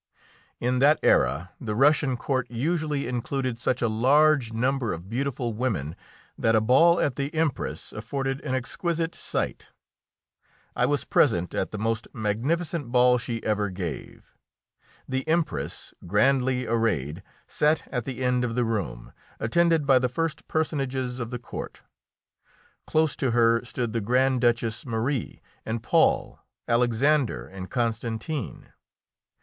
In that era the Russian court usually included such a large number of beautiful women that a ball at the Empress afforded an exquisite sight. I was present at the most magnificent ball she ever gave. The Empress, grandly arrayed, sat at the end of the room, attended by the first personages of the court. Close to her stood the Grand Duchess Marie, and Paul, Alexander and Constantine.